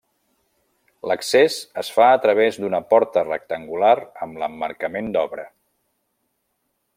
L'accés es fa a través d'una porta rectangular amb l'emmarcament d'obra.